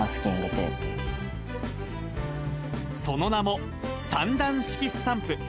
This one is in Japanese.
その名も、３段式スタンプ。